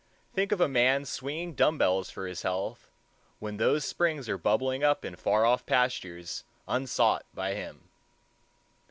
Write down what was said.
Think of a man's swinging dumb bells for his health, when those springs are bubbling up in far off pastures unsought by him!